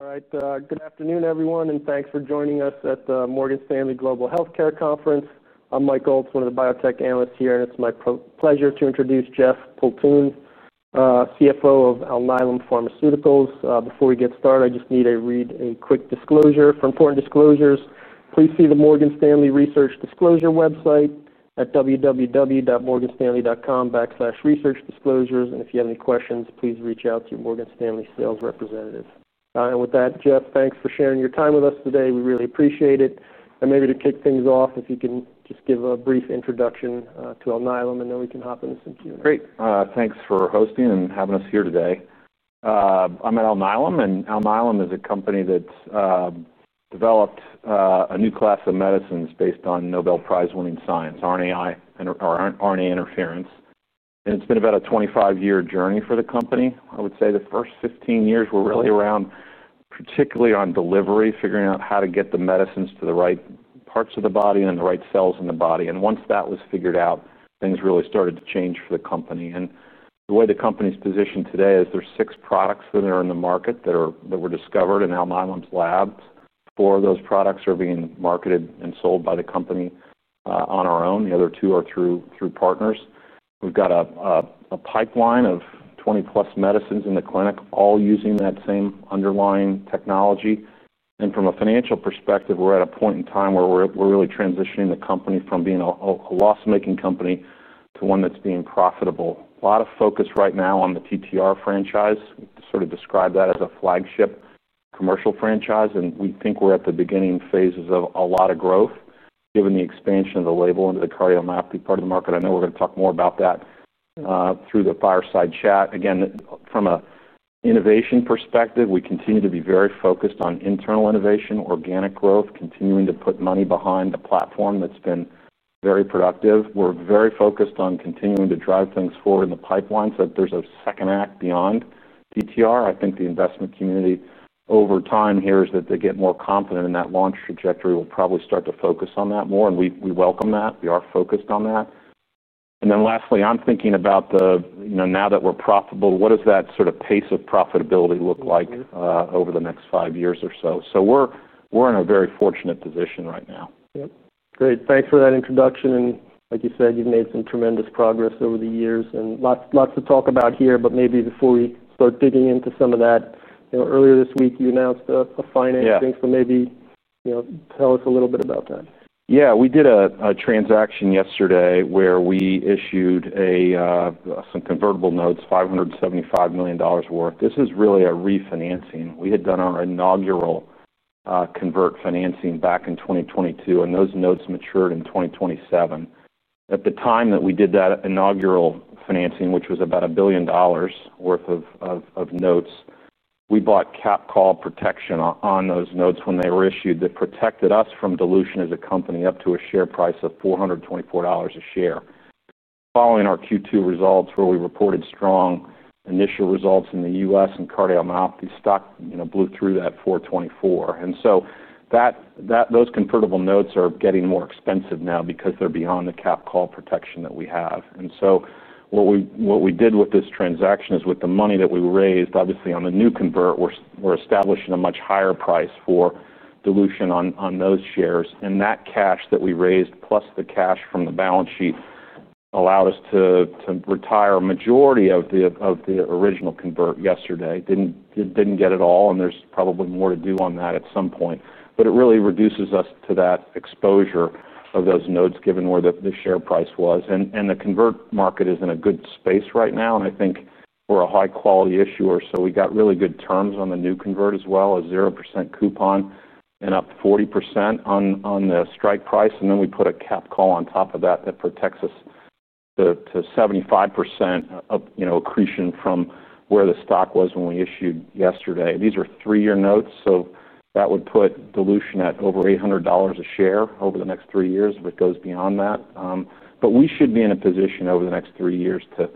All right. Good afternoon, everyone, and thanks for joining us at the Morgan Stanley Global Healthcare Conference. I'm Mike Gold, one of the biotech analysts here, and it's my pleasure to introduce Jeff Poulton, CFO of Alnylam Pharmaceuticals. Before we get started, I just need to read a quick disclosure. For important disclosures, please see the Morgan Stanley Research Disclosure website at www.morganstanley.com/researchdisclosures. If you have any questions, please reach out to your Morgan Stanley sales representative. With that, Jeff, thanks for sharing your time with us today. We really appreciate it. Maybe to kick things off, if you can just give a brief introduction to Alnylam, and then we can hop into some Q&A. Great. Thanks for hosting and having us here today. I'm at Alnylam Pharmaceuticals, and Alnylam Pharmaceuticals is a company that developed a new class of medicines based on Nobel Prize-winning science, RNA interference. It's been about a 25-year journey for the company. I would say the first 15 years were really around, particularly on delivery, figuring out how to get the medicines to the right parts of the body and the right cells in the body. Once that was figured out, things really started to change for the company. The way the company is positioned today is there are six products that are in the market that were discovered in Alnylam Pharmaceuticals' lab. Four of those products are being marketed and sold by the company, on our own. The other two are through partners. We've got a pipeline of 20-plus medicines in the clinic, all using that same underlying technology. From a financial perspective, we're at a point in time where we're really transitioning the company from being a loss-making company to one that's being profitable. A lot of focus right now on the transthyretin (TTR) franchise. We sort of describe that as a flagship commercial franchise, and we think we're at the beginning phases of a lot of growth, given the expansion of the label into the cardiomyopathy part of the market. I know we're going to talk more about that, through the fireside chat. From an innovation perspective, we continue to be very focused on internal innovation, organic growth, continuing to put money behind a platform that's been very productive. We're very focused on continuing to drive things forward in the pipeline so that there's a second act beyond TTR. I think the investment community over time here is that they get more confident in that launch trajectory. We'll probably start to focus on that more, and we welcome that. We are focused on that. Lastly, I'm thinking about the, you know, now that we're profitable, what does that sort of pace of profitability look like over the next five years or so? We're in a very fortunate position right now. Great. Thanks for that introduction. Like you said, you've made some tremendous progress over the years, and lots to talk about here. Maybe before we start digging into some of that, earlier this week, you announced a finance thing, so maybe tell us a little bit about that. Yeah. We did a transaction yesterday where we issued some convertible notes, $575 million worth. This is really a refinancing. We had done our inaugural convert financing back in 2022, and those notes matured in 2027. At the time that we did that inaugural financing, which was about a billion dollars worth of notes, we bought cap call protection on those notes when they were issued that protected us from dilution as a company up to a share price of $424 a share. Following our Q2 results, where we reported strong initial results in the U.S. and cardiomyopathy stock, you know, blew through that $424. Those convertible notes are getting more expensive now because they're beyond the cap call protection that we have. What we did with this transaction is with the money that we raised, obviously, on the new convert, we're establishing a much higher price for dilution on those shares. That cash that we raised, plus the cash from the balance sheet, allowed us to retire a majority of the original convert yesterday. Didn't get it all, and there's probably more to do on that at some point. It really reduces us to that exposure of those notes, given where the share price was. The convert market is in a good space right now. I think we're a high-quality issuer, so we got really good terms on the new convert as well, a 0% coupon and up to 40% on the strike price. We put a cap call on top of that that protects us to 75% of, you know, accretion from where the stock was when we issued yesterday. These are three-year notes, so that would put dilution at over $800 a share over the next three years if it goes beyond that. We should be in a position over the next three years to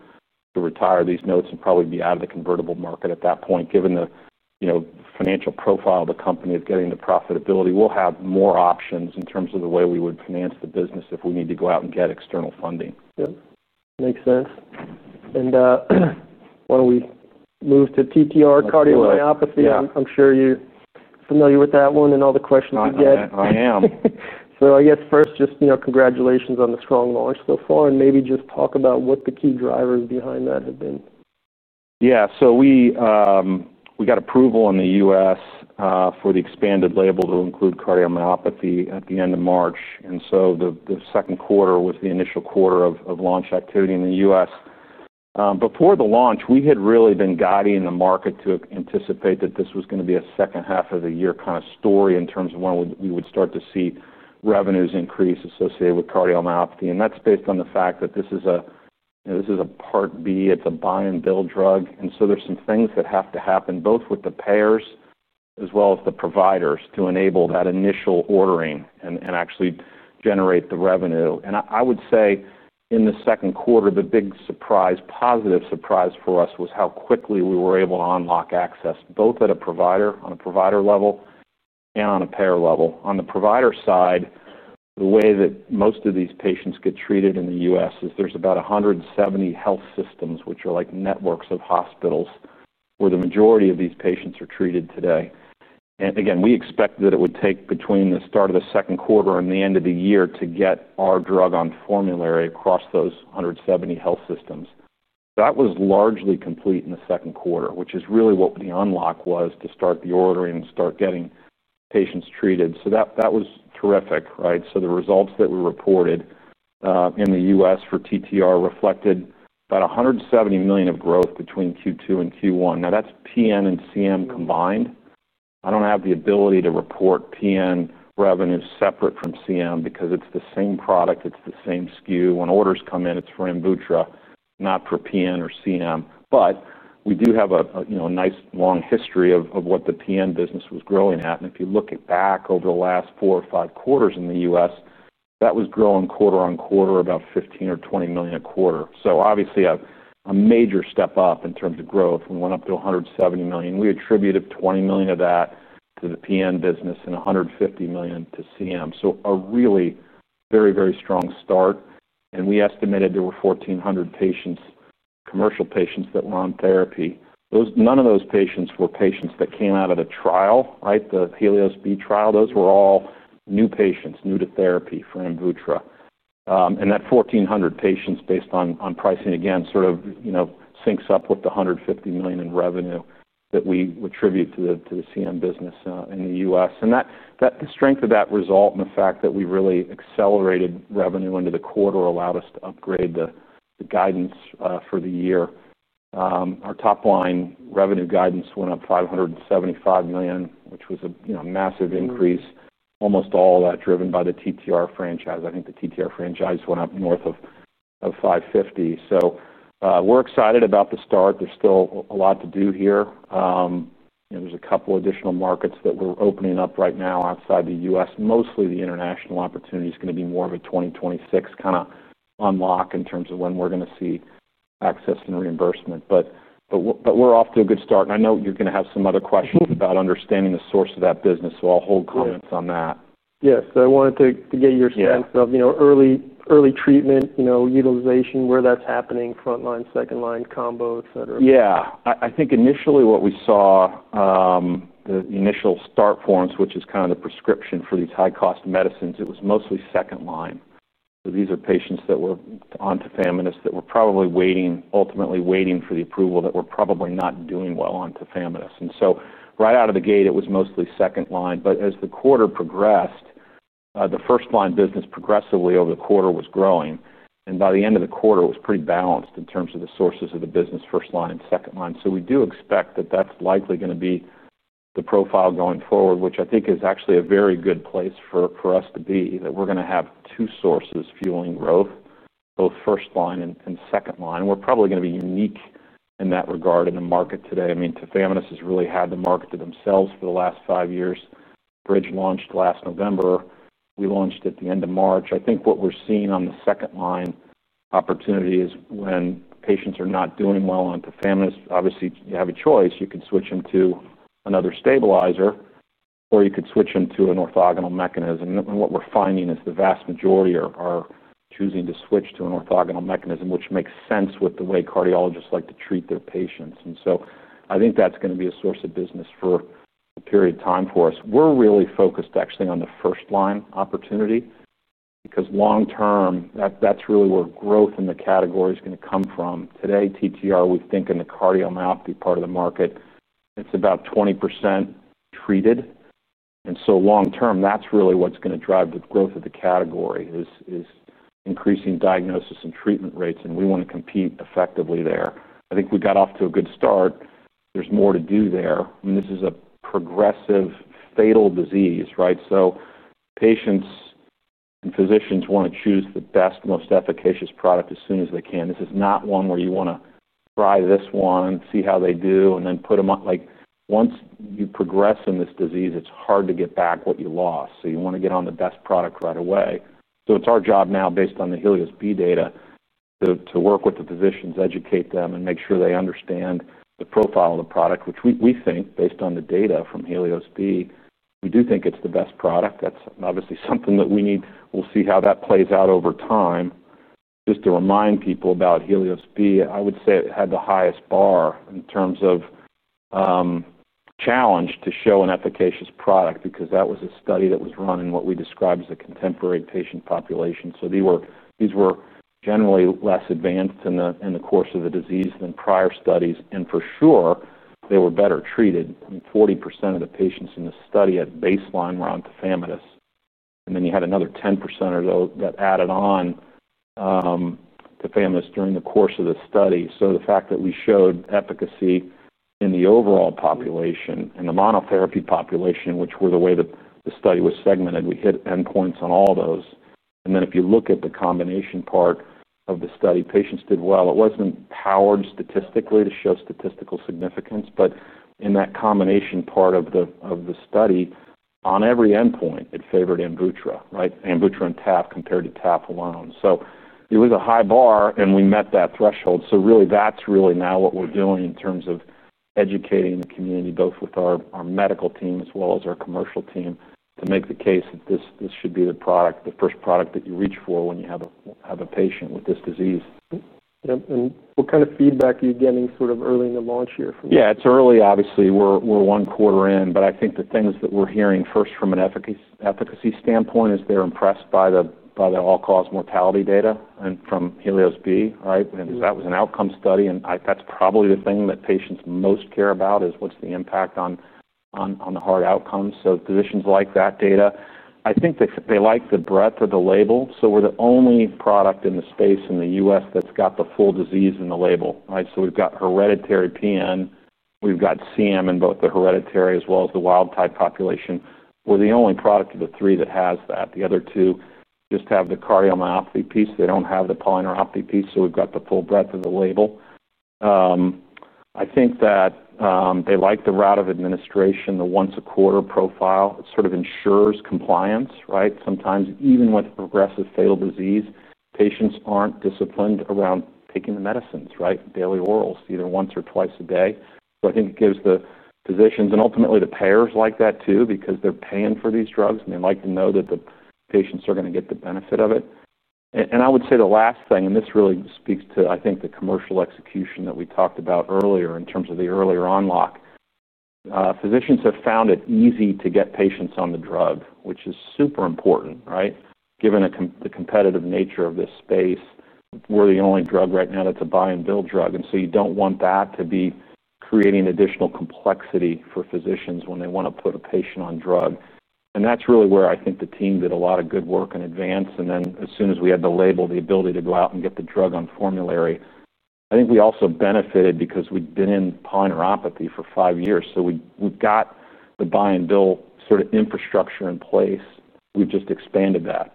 retire these notes and probably be out of the convertible market at that point, given the, you know, financial profile of the company of getting the profitability. We'll have more options in terms of the way we would finance the business if we need to go out and get external funding. Makes sense. While we move to TTR cardiomyopathy, I'm sure you're familiar with that one and all the questions we get. I am. Congratulations on the strong launch so far, and maybe just talk about what the key drivers behind that have been. Yeah. We got approval in the U.S. for the expanded label to include cardiomyopathy at the end of March. The second quarter was the initial quarter of launch activity in the U.S. Before the launch, we had really been guiding the market to anticipate that this was going to be a second half of the year kind of story in terms of when you would start to see revenues increase associated with cardiomyopathy. That's based on the fact that this is a Part B. It's a buy-and-bill drug. There are some things that have to happen both with the payers as well as the providers to enable that initial ordering and actually generate the revenue. I would say in the second quarter, the big surprise, positive surprise for us was how quickly we were able to unlock access both at a provider level and on a payer level. On the provider side, the way that most of these patients get treated in the U.S. is there's about 170 health systems, which are networks of hospitals where the majority of these patients are treated today. We expected that it would take between the start of the second quarter and the end of the year to get our drug on formulary across those 170 health systems. That was largely complete in the second quarter, which is really what the unlock was to start the ordering and start getting patients treated. That was terrific, right? The results that we reported in the U.S. for TTR reflected about $170 million of growth between Q2 and Q1. Now, that's PN and CM combined. I don't have the ability to report PN revenue separate from CM because it's the same product. It's the same SKU. When orders come in, it's for AMVUTTRA, not for PN or CM. We do have a nice long history of what the PN business was growing at. If you look back over the last four or five quarters in the U.S., that was growing quarter on quarter, about $15 million or $20 million a quarter. Obviously, a major step up in terms of growth. We went up to $170 million. We attributed $20 million of that to the PN business and $150 million to CM. A really very, very strong start. We estimated there were 1,400 commercial patients that were on therapy. None of those patients were patients that came out of the trial, right? The HELIOS-B trial. Those were all new patients, new to therapy for AMVUTTRA. That 1,400 patients, based on pricing, again, sort of, you know, syncs up with the $150 million in revenue that we attribute to the CM business in the U.S. The strength of that result and the fact that we really accelerated revenue into the quarter allowed us to upgrade the guidance for the year. Our top-line revenue guidance went up $575 million, which was a massive increase, almost all of that driven by the transthyretin (TTR) franchise. I think the TTR franchise went up north of $550 million. We're excited about the start. There's still a lot to do here. There are a couple of additional markets that we're opening up right now outside the U.S. Mostly the international opportunity is going to be more of a 2026 kind of unlock in terms of when we're going to see access and reimbursement. We're off to a good start. I know you're going to have some other questions about understanding the source of that business, so I'll hold comments on that. Yes. I wanted to get your sense of, you know, early treatment, you know, utilization, where that's happening, front line, second line, combo, etc. Yeah. I think initially what we saw, the initial start forms, which is kind of the prescription for these high-cost medicines, it was mostly second line. These are patients that were on tafamidis that were probably waiting, ultimately waiting for the approval, that were probably not doing well on tafamidis. Right out of the gate, it was mostly second line. As the quarter progressed, the first-line business progressively over the quarter was growing. By the end of the quarter, it was pretty balanced in terms of the sources of the business, first line and second line. We do expect that that's likely going to be the profile going forward, which I think is actually a very good place for us to be, that we're going to have two sources fueling growth, both first line and second line. We're probably going to be unique in that regard in the market today. Tafamidis has really had the market to themselves for the last five years. Bridge launched last November. We launched at the end of March. I think what we're seeing on the second line opportunity is when patients are not doing well on tafamidis, obviously, you have a choice. You could switch into another stabilizer, or you could switch into an orthogonal mechanism. What we're finding is the vast majority are choosing to switch to an orthogonal mechanism, which makes sense with the way cardiologists like to treat their patients. I think that's going to be a source of business for a period of time for us. We're really focused, actually, on the first line opportunity because long term, that's really where growth in the category is going to come from. Today, TTR, we think in the cardiomyopathy part of the market, it's about 20% treated. Long term, that's really what's going to drive the growth of the category is increasing diagnosis and treatment rates. We want to compete effectively there. I think we got off to a good start. There's more to do there. This is a progressive, fatal disease, right? Patients and physicians want to choose the best, most efficacious product as soon as they can. This is not one where you want to try this one, see how they do, and then put them on. Once you progress in this disease, it's hard to get back what you lost. You want to get on the best product right away. It's our job now, based on the HELIOS-B data, to work with the physicians, educate them, and make sure they understand the profile of the product, which we think, based on the data from HELIOS-B, is the best product. That's obviously something that we need. We'll see how that plays out over time. Just to remind people about HELIOS-B, I would say it had the highest bar in terms of challenge to show an efficacious product because that was a study that was run in what we describe as a contemporary patient population. These were generally less advanced in the course of the disease than prior studies. For sure, they were better treated. I mean, 40% of the patients in the study had baseline around tafamidis, and then you had another 10% of those that added on tafamidis during the course of the study. The fact that we showed efficacy in the overall population and the monotherapy population, which were the way that the study was segmented, we hit endpoints on all those. If you look at the combination part of the study, patients did well. It wasn't powered statistically to show statistical significance, but in that combination part of the study, on every endpoint, it favored AMVUTTRA, right? AMVUTTRA and tafamidis compared to tafamidis alone. It was a high bar, and we met that threshold. That's really now what we're doing in terms of educating the community, both with our medical team as well as our commercial team, to make the case that this should be the product, the first product that you reach for when you have a patient with this disease. What kind of feedback are you getting early in the launch here? Yeah, it's early, obviously. We're one quarter in, but I think the things that we're hearing first from an efficacy standpoint is they're impressed by the all-cause mortality data and from Helios B, right? That was an outcome study. That's probably the thing that patients most care about, is what's the impact on the heart outcomes. Physicians like that data. I think they like the breadth of the label. We're the only product in the space in the U.S. that's got the full disease in the label, right? We've got hereditary PN. We've got CM in both the hereditary as well as the wild-type population. We're the only product of the three that has that. The other two just have the cardiomyopathy piece. They don't have the polyneuropathy piece. We've got the full breadth of the label. I think that they like the route of administration, the once-a-quarter profile. It sort of ensures compliance, right? Sometimes, even with a progressive fatal disease, patients aren't disciplined around taking the medicines, right? Daily orals, either once or twice a day. I think it gives the physicians, and ultimately, the payers like that too because they're paying for these drugs, and they like to know that the patients are going to get the benefit of it. I would say the last thing, and this really speaks to, I think, the commercial execution that we talked about earlier in terms of the earlier unlock. Physicians have found it easy to get patients on the drug, which is super important, right? Given the competitive nature of this space, we're the only drug right now that's a buy-and-bill drug. You don't want that to be creating additional complexity for physicians when they want to put a patient on drug. That's really where I think the team did a lot of good work in advance. As soon as we had the label, the ability to go out and get the drug on formulary, I think we also benefited because we'd been in polyneuropathy for five years. We've got the buy-and-bill sort of infrastructure in place. We've just expanded that.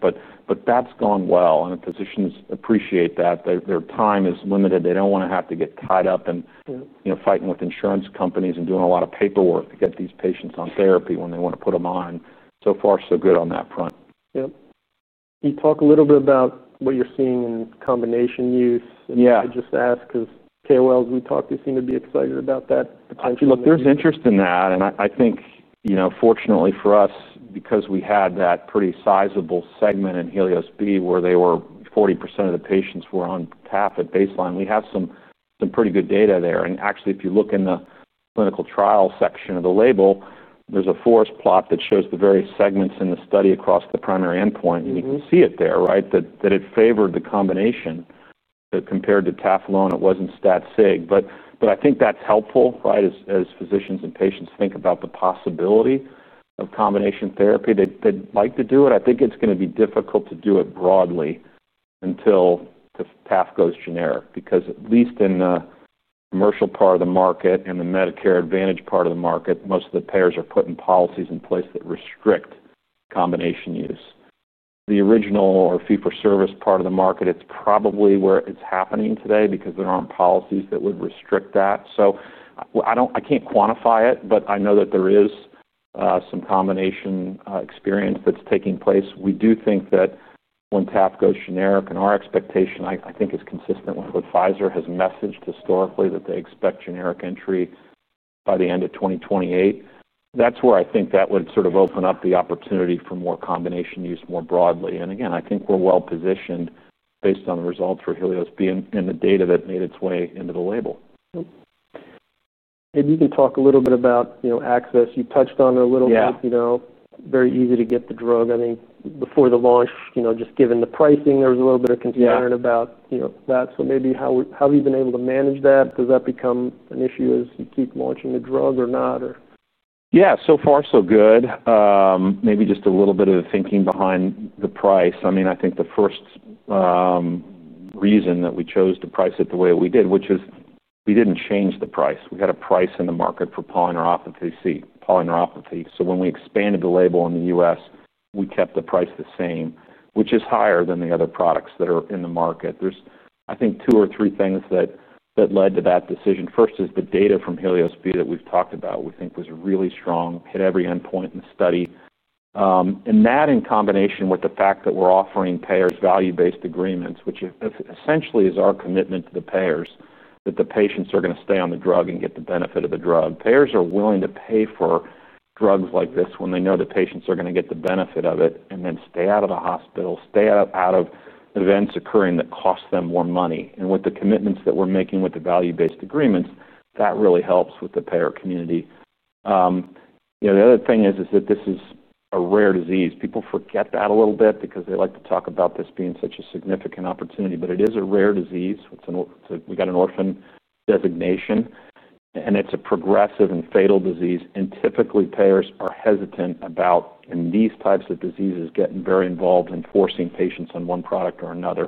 That's gone well, and physicians appreciate that. Their time is limited. They don't want to have to get tied up in, you know, fighting with insurance companies and doing a lot of paperwork to get these patients on therapy when they want to put them on. So far, so good on that front. Yep. Can you talk a little bit about what you're seeing in combination use? Yeah. I just asked because KOLs we talked to seem to be excited about that. If you look, there's interest in that. I think, fortunately for us, because we had that pretty sizable segment in Helios B where 40% of the patients were on Taf at baseline, we have some pretty good data there. Actually, if you look in the clinical trial section of the label, there's a forest plot that shows the various segments in the study across the primary endpoint. You can see it there, right, that it favored the combination. Compared to Taf alone, it wasn't stat-sig. I think that's helpful, right, as physicians and patients think about the possibility of combination therapy. They'd like to do it. I think it's going to be difficult to do it broadly until the path goes generic because at least in the commercial part of the market and the Medicare Advantage part of the market, most of the payers are putting policies in place that restrict combination use. The original fee-for-service part of the market is probably where it's happening today because there aren't policies that would restrict that. I can't quantify it, but I know that there is some combination experience that's taking place. We do think that when Taf goes generic, and our expectation, I think, is consistent with what Pfizer has messaged historically, that they expect generic entry by the end of 2028. That would sort of open up the opportunity for more combination use more broadly. I think we're well-positioned based on the results for Helios B and the data that made its way into the label. Can you talk a little bit about access? You touched on it a little bit. It is very easy to get the drug. I think before the launch, just given the pricing, there was a little bit of concern about that. Maybe how have you been able to manage that? Does that become an issue as you keep launching the drug or not? Yeah. So far, so good. Maybe just a little bit of thinking behind the price. I mean, I think the first reason that we chose to price it the way we did, which is we didn't change the price. We had a price in the market for polyneuropathy, so when we expanded the label in the U.S., we kept the price the same, which is higher than the other products that are in the market. There are, I think, two or three things that led to that decision. First is the data from Helios B that we've talked about. We think it was really strong, hit every endpoint in the study, and that in combination with the fact that we're offering payers value-based agreements, which essentially is our commitment to the payers that the patients are going to stay on the drug and get the benefit of the drug. Payers are willing to pay for drugs like this when they know the patients are going to get the benefit of it and then stay out of the hospital, stay out of events occurring that cost them more money. With the commitments that we're making with the value-based agreements, that really helps with the payer community. The other thing is that this is a rare disease. People forget that a little bit because they like to talk about this being such a significant opportunity, but it is a rare disease. We got an orphan designation, and it's a progressive and fatal disease. Typically, payers are hesitant about, in these types of diseases, getting very involved in forcing patients on one product or another.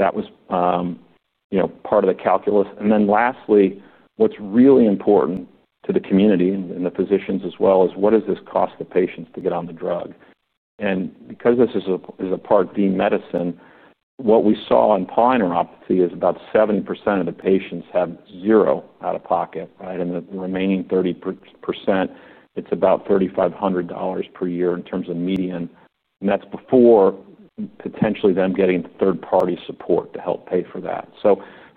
That was part of the calculus. Lastly, what's really important to the community and the physicians as well is what does this cost the patients to get on the drug? Because this is a Part D medicine, what we saw in polyneuropathy is about 70% of the patients have zero out of pocket, right? The remaining 30%, it's about $3,500 per year in terms of median. That's before potentially them getting third-party support to help pay for that.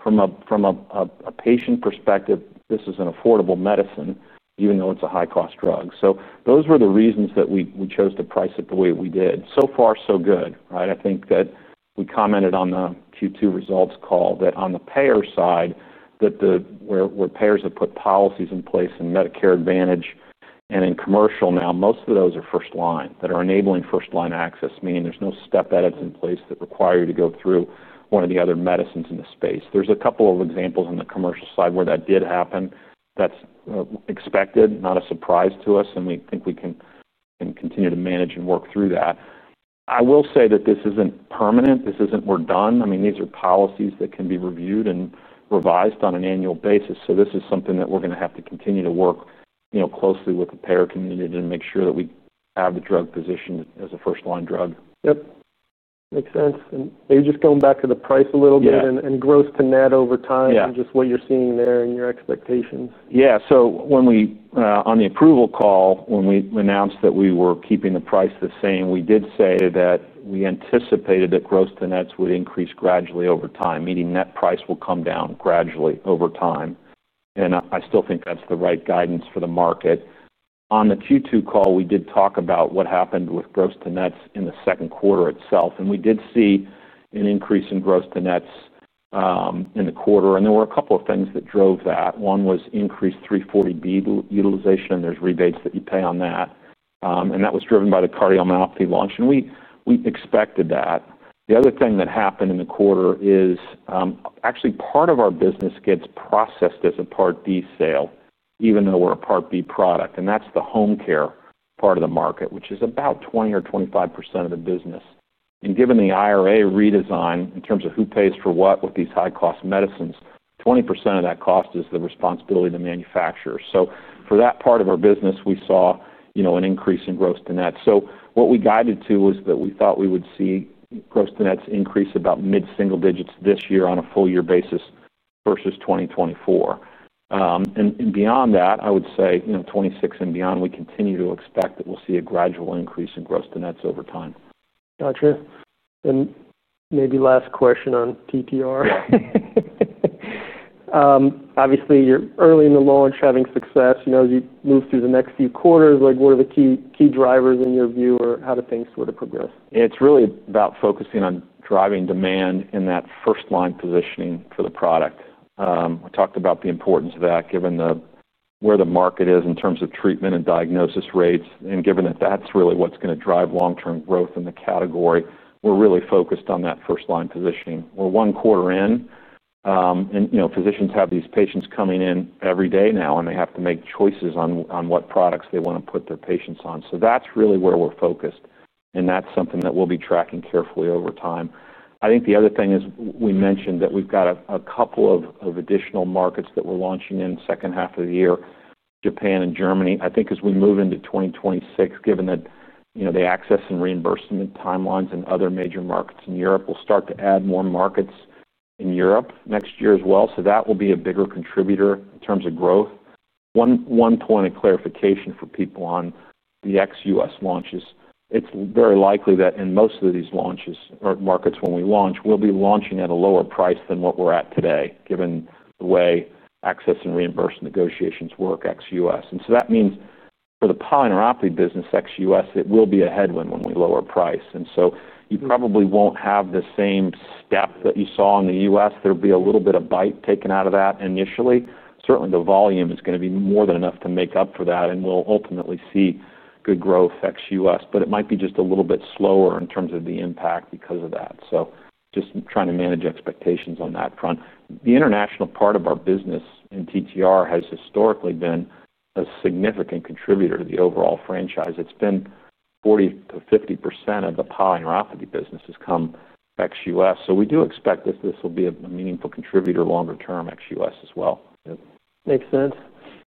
From a patient perspective, this is an affordable medicine, even though it's a high-cost drug. Those were the reasons that we chose to price it the way we did. So far, so good, right? I think that we commented on the Q2 results call that on the payer side, where payers have put policies in place in Medicare Advantage and in commercial now, most of those are first line that are enabling first line access, meaning there's no step edits in place that require you to go through one of the other medicines in the space. There are a couple of examples on the commercial side where that did happen. That's expected, not a surprise to us. We think we can continue to manage and work through that. I will say that this isn't permanent. This isn't we're done. These are policies that can be reviewed and revised on an annual basis. This is something that we're going to have to continue to work closely with the payer community to make sure that we have the drug positioned as a first line drug. Makes sense. Maybe just going back to the price a little bit and gross-to-net over time and just what you're seeing there and your expectations. Yeah. When we, on the approval call, when we announced that we were keeping the price the same, we did say that we anticipated that gross-to-net dynamics would increase gradually over time, meaning net price will come down gradually over time. I still think that's the right guidance for the market. On the Q2 call, we did talk about what happened with gross-to-net dynamics in the second quarter itself. We did see an increase in gross-to-net dynamics in the quarter, and there were a couple of things that drove that. One was increased 340B utilization, and there are rebates that you pay on that. That was driven by the cardiomyopathy launch, and we expected that. The other thing that happened in the quarter is, actually, part of our business gets processed as a Part D sale, even though we're a Part B product. That's the home care part of the market, which is about 20% or 25% of the business. Given the IRA redesign in terms of who pays for what with these high-cost medicines, 20% of that cost is the responsibility of the manufacturer. For that part of our business, we saw an increase in gross-to-net dynamics. What we guided to was that we thought we would see gross-to-net dynamics increase about mid-single digits this year on a full-year basis versus 2024. Beyond that, I would say, 2026 and beyond, we continue to expect that we'll see a gradual increase in gross-to-net dynamics over time. Gotcha. Maybe last question on TTR. Yeah. Obviously, you're early in the launch, having success. As you move through the next few quarters, what are the key drivers in your view, or how do things sort of progress? It's really about focusing on driving demand in that first-line positioning for the product. We talked about the importance of that, given where the market is in terms of treatment and diagnosis rates. Given that that's really what's going to drive long-term growth in the category, we're really focused on that first-line positioning. We're one quarter in, and you know, physicians have these patients coming in every day now, and they have to make choices on what products they want to put their patients on. That's really where we're focused, and that's something that we'll be tracking carefully over time. I think the other thing is we mentioned that we've got a couple of additional markets that we're launching in the second half of the year, Japan and Germany. I think as we move into 2026, given that the access and reimbursement timelines in other major markets in Europe, we'll start to add more markets in Europe next year as well. That will be a bigger contributor in terms of growth. One point of clarification for people on the ex-U.S. launches, it's very likely that in most of these launches or markets when we launch, we'll be launching at a lower price than what we're at today, given the way access and reimbursement negotiations work ex-U.S. That means for the polyneuropathy business ex-U.S., it will be a headwind when we lower price, and you probably won't have the same step that you saw in the U.S. There'll be a little bit of bite taken out of that initially. Certainly, the volume is going to be more than enough to make up for that, and we'll ultimately see good growth ex-U.S., but it might be just a little bit slower in terms of the impact because of that. Just trying to manage expectations on that front. The international part of our business in the transthyretin (TTR) franchise has historically been a significant contributor to the overall franchise. It's been 40% to 50% of the polyneuropathy business has come ex-U.S., so we do expect this will be a meaningful contributor longer term ex-U.S. as well. Yep. Makes sense.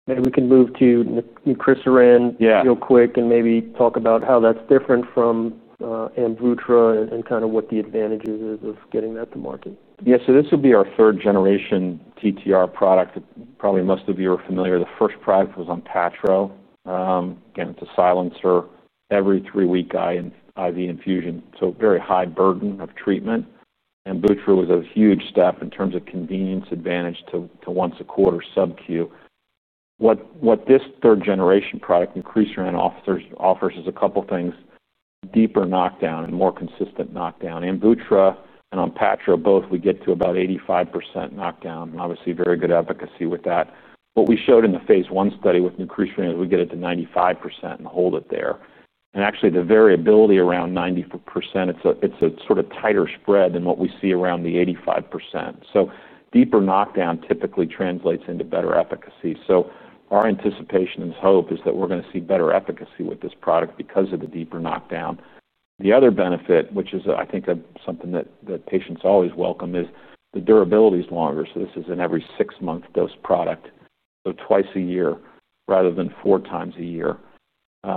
Maybe we can move to mivelsiran real quick and maybe talk about how that's different from AMVUTTRA and kind of what the advantages are of getting that to market. Yeah. This would be our third-generation TTR product. Probably most of you are familiar. The first product was ONPATTRO. Again, it's a silencer, every three-week IV infusion, so very high burden of treatment. AMVUTTRA was a huge step in terms of convenience advantage to once-a-quarter sub-Q. What this third-generation product, zilebesiran, offers is a couple of things: deeper knockdown and more consistent knockdown. AMVUTTRA and ONPATTRO, both we get to about 85% knockdown and obviously very good efficacy with that. What we showed in the phase one study with zilebesiran is we get it to 95% and hold it there. Actually, the variability around 90%, it's a sort of tighter spread than what we see around the 85%. Deeper knockdown typically translates into better efficacy. Our anticipation and hope is that we're going to see better efficacy with this product because of the deeper knockdown. The other benefit, which is something that patients always welcome, is the durability is longer. This is an every six-month dose product, so twice a year rather than four times a year. There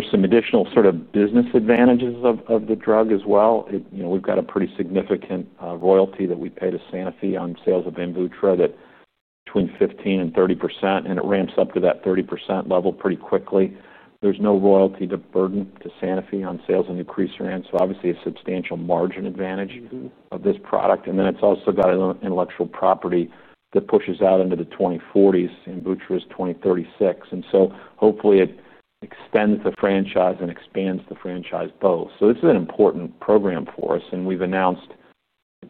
are some additional sort of business advantages of the drug as well. We've got a pretty significant royalty that we pay to Sanofi on sales of AMVUTTRA that's between 15% and 30%, and it ramps up to that 30% level pretty quickly. There's no royalty burden to Sanofi on sales of zilebesiran, so obviously a substantial margin advantage of this product. It's also got intellectual property that pushes out into the 2040s. AMVUTTRA is 2036, so hopefully it extends the franchise and expands the franchise both. It's an important program for us.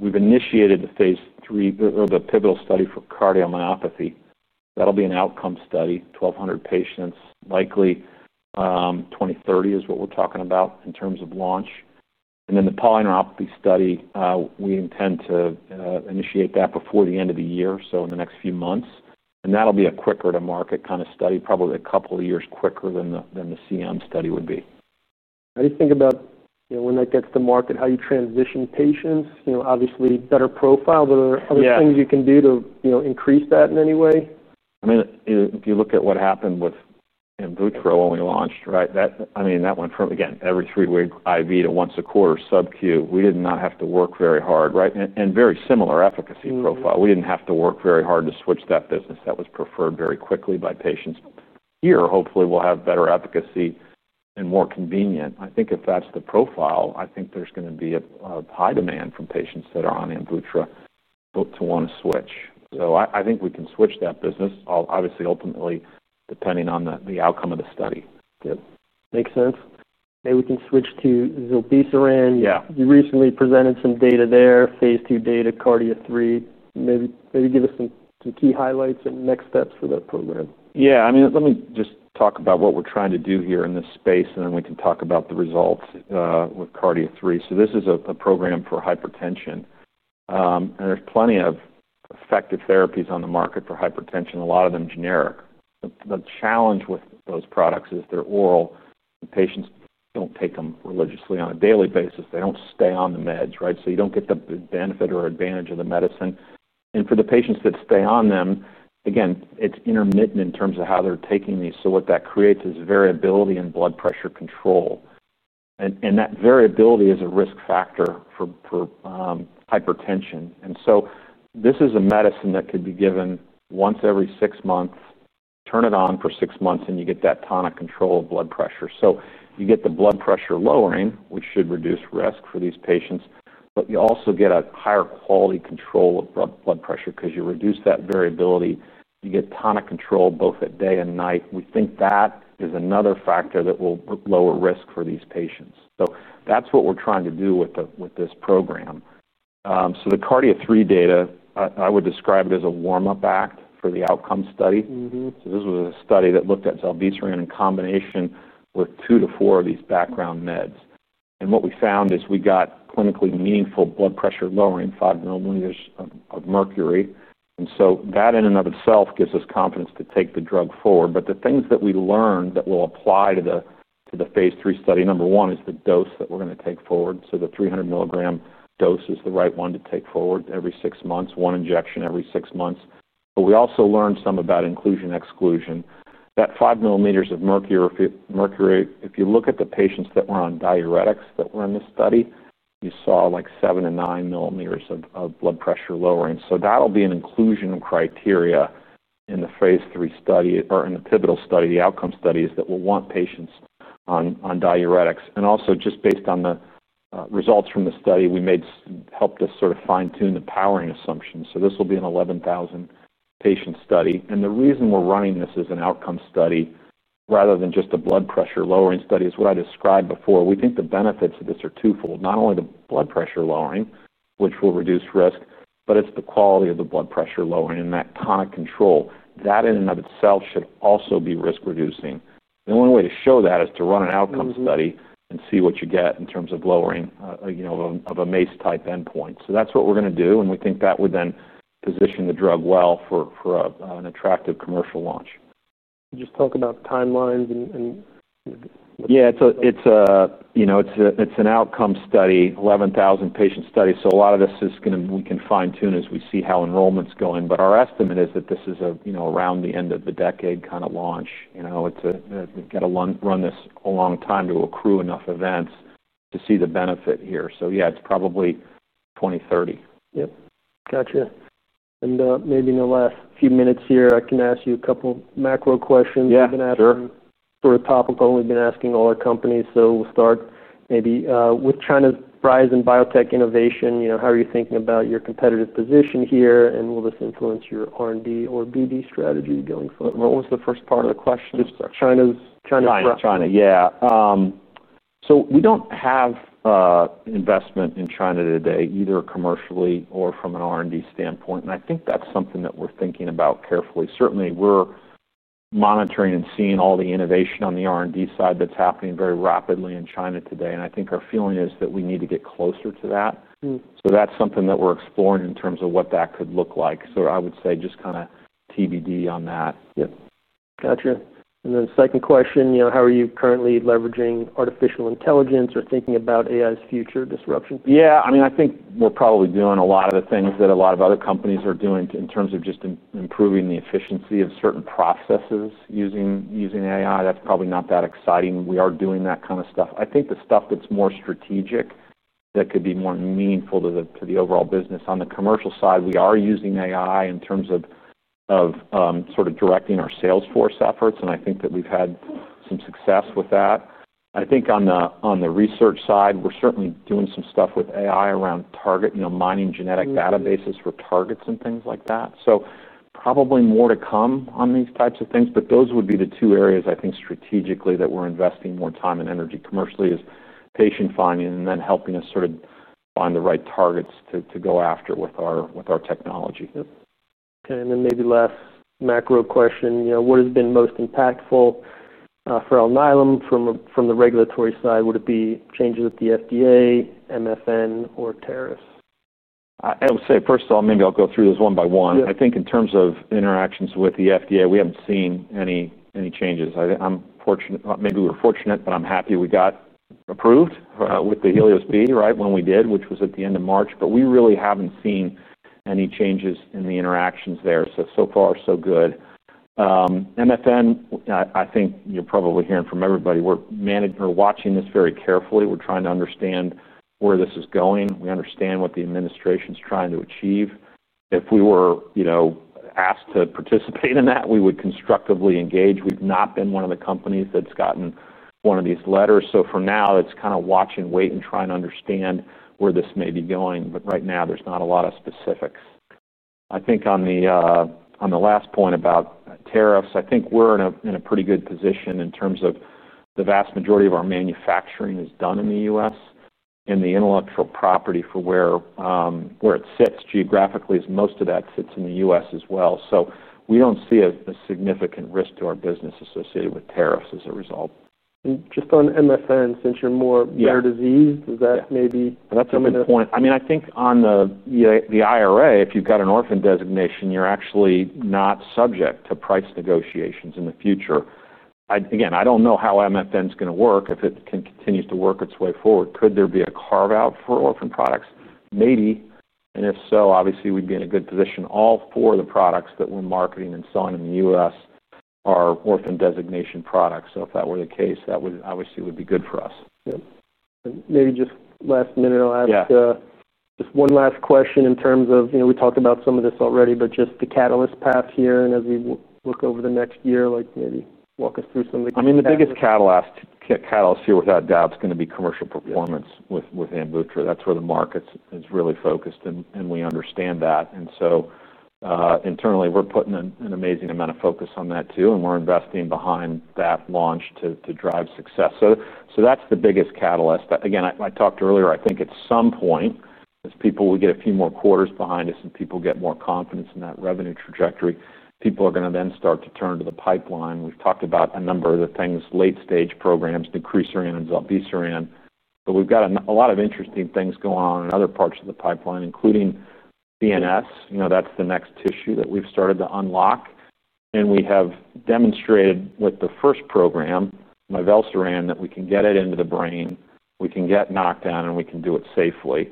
We've initiated the phase three or the pivotal study for cardiomyopathy. That'll be an outcome study, 1,200 patients, likely 2030 is what we're talking about in terms of launch. The polyneuropathy study, we intend to initiate that before the end of the year, so in the next few months. That'll be a quicker-to-market kind of study, probably a couple of years quicker than the CM study would be. How do you think about when that gets to market, how do you transition patients? Obviously, better profile, but are there other things you can do to increase that in any way? I mean, if you look at what happened with AMVUTTRA when we launched, right? That went from, again, every three-week IV to once-a-quarter sub-Q. We did not have to work very hard, right? Very similar efficacy profile. We didn't have to work very hard to switch that business. That was preferred very quickly by patients. Here, hopefully, we'll have better efficacy and more convenient. I think if that's the profile, I think there's going to be a high demand from patients that are on AMVUTTRA to want to switch. I think we can switch that business, obviously, ultimately, depending on the outcome of the study. Yep. Makes sense. Maybe we can switch to zilebesiran. Yeah. You recently presented some data there, phase two data, CARDIA3. Maybe give us some key highlights and next steps for that program. Yeah. I mean, let me just talk about what we're trying to do here in this space, and then we can talk about the results with CARDIA3. This is a program for hypertension. There are plenty of effective therapies on the market for hypertension, a lot of them generic. The challenge with those products is they're oral. Patients don't take them religiously on a daily basis. They don't stay on the meds, right? You don't get the benefit or advantage of the medicine. For the patients that stay on them, again, it's intermittent in terms of how they're taking these. What that creates is variability in blood pressure control. That variability is a risk factor for hypertension. This is a medicine that could be given once every six months, turn it on for six months, and you get that tonic control of blood pressure. You get the blood pressure lowering, which should reduce risk for these patients, but you also get a higher quality control of blood pressure because you reduce that variability. You get tonic control both at day and night. We think that is another factor that will lower risk for these patients. That's what we're trying to do with this program. The CARDIA3 data, I would describe it as a warm-up act for the outcome study. This was a study that looked at zilebesiran in combination with two to four of these background meds. What we found is we got clinically meaningful blood pressure lowering of 5 millimeters of mercury. That in and of itself gives us confidence to take the drug forward. The things that we learned that we'll apply to the phase three study, number one is the dose that we're going to take forward. The 300 milligram dose is the right one to take forward every six months, one injection every six months. We also learned some about inclusion-exclusion. That 5 millimeters of mercury, if you look at the patients that were on diuretics that were in this study, you saw like 7 to 9 millimeters of blood pressure lowering. That'll be an inclusion criteria in the phase three study or in the pivotal study, the outcome studies that will want patients on diuretics. Also, just based on the results from the study, it helped us sort of fine-tune the powering assumption. This will be an 11,000-patient study. The reason we're running this as an outcome study rather than just a blood pressure lowering study is what I described before. We think the benefits of this are twofold, not only the blood pressure lowering, which will reduce risk, but it's the quality of the blood pressure lowering and that tonic control. That in and of itself should also be risk-reducing. The only way to show that is to run an outcome study and see what you get in terms of lowering, you know, of a MACE-type endpoint. That is what we're going to do. We think that would then position the drug well for an attractive commercial launch. Just talk about timelines. Yeah. It's an outcome study, 11,000-patient study. A lot of this is going to we can fine-tune as we see how enrollments go in. Our estimate is that this is a, you know, around the end of the decade kind of launch. We've got to run this a long time to accrue enough events to see the benefit here. Yeah, it's probably 2030. Gotcha. Maybe in the last few minutes here, I can ask you a couple of macro questions. Yeah, sure. We've been asking for a topic, only been asking all our companies. We'll start maybe with China's rise in biotech innovation. You know, how are you thinking about your competitive position here? Will this influence your R&D or BD strategy going forward? What was the first part of the question? China's threat. Yeah. Yeah. We don't have an investment in China today, either commercially or from an R&D standpoint. I think that's something that we're thinking about carefully. Certainly, we're monitoring and seeing all the innovation on the R&D side that's happening very rapidly in China today. I think our feeling is that we need to get closer to that. That's something that we're exploring in terms of what that could look like. I would say just kind of TBD on that. Gotcha. Second question, you know, how are you currently leveraging artificial intelligence or thinking about AI's future disruption? Yeah. I mean, I think we're probably doing a lot of the things that a lot of other companies are doing in terms of just improving the efficiency of certain processes using AI. That's probably not that exciting. We are doing that kind of stuff. I think the stuff that's more strategic that could be more meaningful to the overall business. On the commercial side, we are using AI in terms of sort of directing our salesforce efforts. I think that we've had some success with that. I think on the research side, we're certainly doing some stuff with AI around target, you know, mining genetic databases for targets and things like that. Probably more to come on these types of things. Those would be the two areas I think strategically that we're investing more time and energy. Commercially, it's patient finding and then helping us sort of find the right targets to go after with our technology. Okay. Maybe last macro question, what has been most impactful for Alnylam from the regulatory side? Would it be changes with the FDA, MFN, or tariffs? I would say, first of all, maybe I'll go through this one by one. I think in terms of interactions with the FDA, we haven't seen any changes. I think maybe we were fortunate, but I'm happy we got approved with the Helios B right when we did, which was at the end of March. We really haven't seen any changes in the interactions there. So far, so good. MFN, I think you're probably hearing from everybody. We're managing or watching this very carefully. We're trying to understand where this is going. We understand what the administration is trying to achieve. If we were, you know, asked to participate in that, we would constructively engage. We've not been one of the companies that's gotten one of these letters. For now, it's kind of watch and wait and try and understand where this may be going. Right now, there's not a lot of specifics. I think on the last point about tariffs, I think we're in a pretty good position in terms of the vast majority of our manufacturing is done in the U.S., and the intellectual property for where it sits geographically, most of that sits in the U.S. as well. We don't see a significant risk to our business associated with tariffs as a result. On MFN, since you're more rare disease, does that maybe? That's a good point. I mean, I think on the IRA, if you've got an orphan designation, you're actually not subject to price negotiations in the future. I don't know how MFN is going to work if it can continue to work its way forward. Could there be a carve-out for orphan products? Maybe. If so, obviously, we'd be in a good position. All of the products that we're marketing and selling in the U.S. are orphan designation products. If that were the case, that would obviously be good for us. Maybe just last minute, I'll ask just one last question in terms of, you know, we talked about some of this already, but the catalyst path here. As we look over the next year, maybe walk us through some of the key catalysts. I mean, the biggest catalyst here without a doubt is going to be commercial performance with AMVUTTRA. That's where the market is really focused, and we understand that. Internally, we're putting an amazing amount of focus on that too, and we're investing behind that launch to drive success. That's the biggest catalyst. Again, I talked earlier, I think at some point, as people, we get a few more quarters behind us and people get more confidence in that revenue trajectory, people are going to then start to turn to the pipeline. We've talked about a number of the things, late-stage programs, mivelsiran, zilebesiran. We've got a lot of interesting things going on in other parts of the pipeline, including CNS. You know, that's the next tissue that we've started to unlock. We have demonstrated with the first program, mivelsiran, that we can get it into the brain, we can get knockdown, and we can do it safely.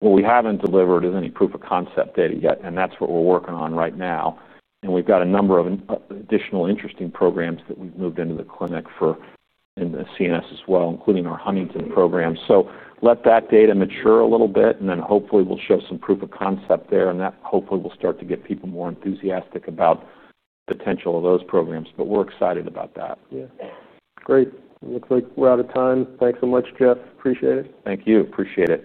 What we haven't delivered is any proof-of-concept data yet, and that's what we're working on right now. We've got a number of additional interesting programs that we've moved into the clinic for in the CNS as well, including our Huntington program. Let that data mature a little bit, and then hopefully, we'll show some proof-of-concept there. That hopefully will start to get people more enthusiastic about the potential of those programs. We're excited about that. Great. Looks like we're out of time. Thanks so much, Jeff. Appreciate it. Thank you. Appreciate it.